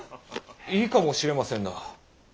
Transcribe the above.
いいかもしれませんな。